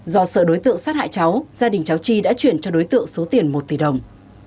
do sợ đối tượng sát hại cháu gia đình cháu chi đã chuyển cho đối tượng số tiền một tỷ đồng